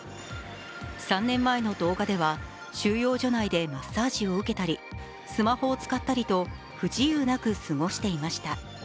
３年前の動画では、収容所内でマッサージを受けたり、スマホを使ったりと不自由なく過ごしていました。